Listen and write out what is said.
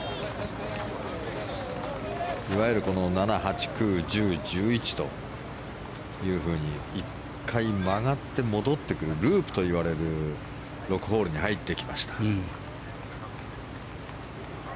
いわゆる７、８、９、１０、１１というふうに一回曲がって戻ってくるループといわれる６ホールに入ってきました。